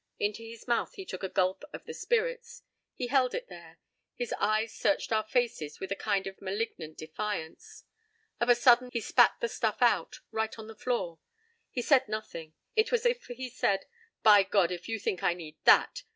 Into his mouth he took a gulp of the spirits. He held it there. His eyes searched our faces with a kind of malignant defiance. Of a sudden he spat the stuff out, right on the floor. He said nothing. It was as if he said: "By God! if you think I need that!